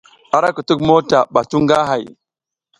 A ra kutuk mota ɓa cu nga hay.